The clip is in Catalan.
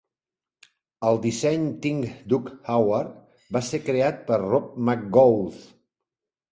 El disseny Tin Duck Award va ser creat per Rob McGough.